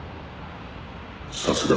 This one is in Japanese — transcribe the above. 「さすがだ」